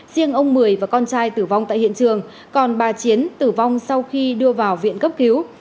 riêng ông mười và con trai tử vong tại hiện trường còn bà chiến tử vong sau khi đưa vào viện cấp cứu